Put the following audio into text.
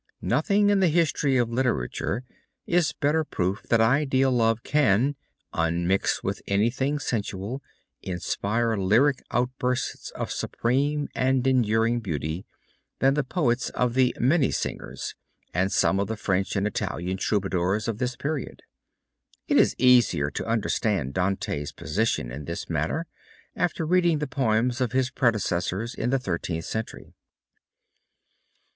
Nothing in the history of literature is better proof that ideal love can, unmixed with anything sensual, inspire lyric outbursts of supreme and enduring beauty, than the poems of the Minnesingers and of some of the French and Italian Troubadours of this period. It is easier to understand Dante's position in this matter after reading the poems of his predecessors in the Thirteenth Century.